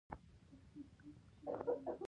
هغوی معمولأ د خپلو خویندو ورونو یا مور پلار سره وي.